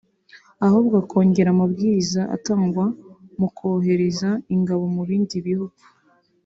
ahubwo akongera amabwiriza atangwa mu kohereza ingabo mu bindi bihugu